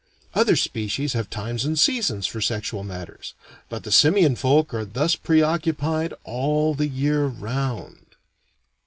Other species have times and seasons for sexual matters, but the simian folk are thus preoccupied all the year round.